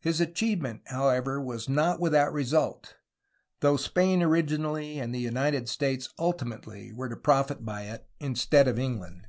His achievement, however, was not without result, though Spain originally and the United States ultimately were to profit by it instead of England.